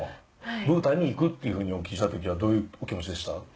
ブータンに行くっていうふうにお聞きした時はどういうお気持ちでした？